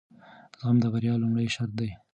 زغم د بریا لومړی شرط دی.